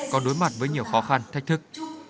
còn đối mặt với nhiều khó khăn thách thức